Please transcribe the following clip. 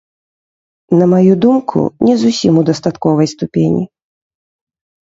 На маю думку, не зусім у дастатковай ступені.